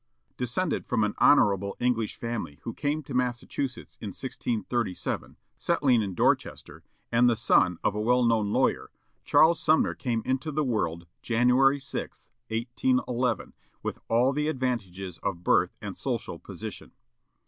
Descended from an honorable English family who came to Massachusetts in 1637, settling in Dorchester, and the son of a well known lawyer, Charles Sumner came into the world January 6, 1811, with all the advantages of birth and social position.